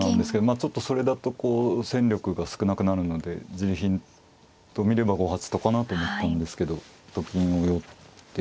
あちょっとそれだとこう戦力が少なくなるのでじり貧と見れば５八とかなと思ったんですけどと金を寄って。